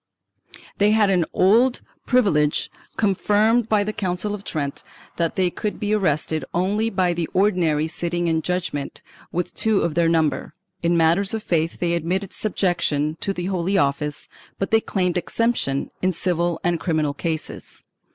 They had an old privilege, confirmed by the Council of Trent (Sess. xxv, De Reform, cap. 6) that they could be arrested only by the Ordinary sitting in judgement with two of their number; in matters of faith they admitted subjection to the Holy Office, but they claimed exemption in civil and criminal cases.